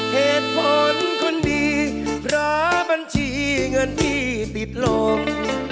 เหตุผลคนดีเพราะบัญชีเงินพี่ติดลง